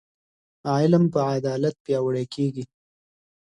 علم به عدالت پیاوړی کړي.